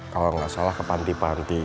kalau nggak salah ke panti panti